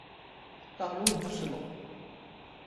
Parlons doucement.